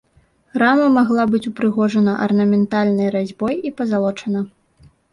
Рама магла быць упрыгожана арнаментальнай разьбой і пазалочана.